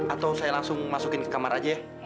atau saya langsung masukin ke kamar aja ya